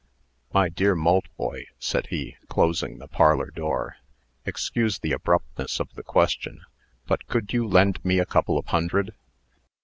"My dear Maltboy," said he, closing the parlor door, "excuse the abruptness of the question; but could you lend me a couple of hundred?"